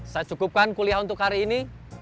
saya cukupkan kuliah untuk hari ini